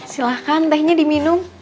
silahkan tehnya diminum